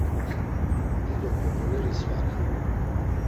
Dido populeri sva ren.